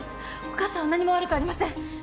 お母さんは何も悪くありません。